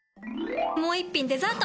もう一品デザート！